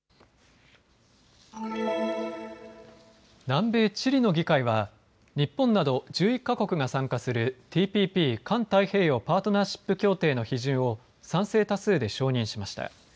南米チリの議会は日本など１１か国が参加するＴＰＰ・環太平洋パートナーシップ協定の批准を賛成多数で承認しました。